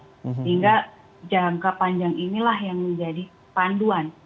sehingga jangka panjang inilah yang menjadi panduan